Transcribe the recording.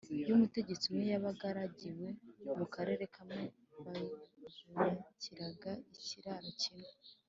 y'umutegetsi umwe yabaga aragiwe mu karere kamwe, bazubakiraga ikiraro kimwe,